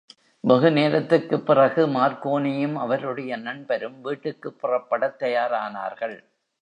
வெகு நேரத்துக்குப் பிறகு, மார்க்கோனியும் அவருடைய நண்பரும் வீட்டுக்குப் புறப்படத் தயாரானார்கள்.